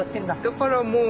だからもう。